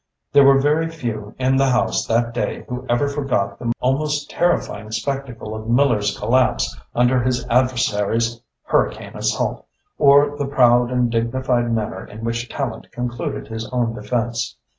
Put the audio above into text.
There were very few in the House that day who ever forgot the almost terrifying spectacle of Miller's collapse under his adversary's hurricane assault, or the proud and dignified manner in which Tallente concluded his own defence.